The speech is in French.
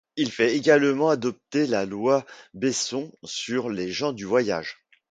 Il fait également adopter la loi Besson sur les gens du voyage.